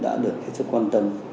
đã được quan tâm